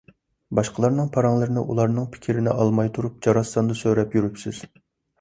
باشقىلارنىڭ پاراڭلىرىنى ئۇلارنىڭ پىكىرىنى ئالماي تۇرۇپ جاراستاندا سۆرەپ يۈرۈپسىز.